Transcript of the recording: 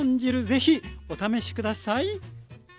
ぜひお試し下さい。